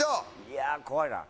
いやあ怖いな。